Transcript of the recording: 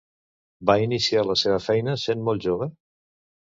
Va iniciar la seva feina sent molt jove?